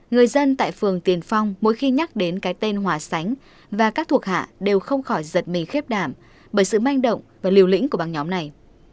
người dân tại phường tiền phong mỗi khi nhắc đến cái tên hòa sánh và các thuộc hạ đều không khỏi giật mình khép đảm bởi sự manh động và liều lĩnh của băng nhóm này